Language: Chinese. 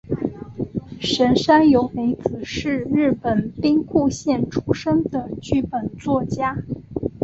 神山由美子是日本兵库县出身的剧本作家。